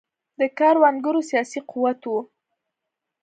د کروندګرو سیاسي قوت و.